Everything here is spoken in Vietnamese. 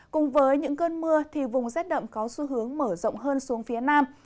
cùng với những cơn mưa vùng rét đậm có xu hướng mở rộng hơn xuống phía nam